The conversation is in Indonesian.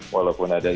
walaupun ada inspektor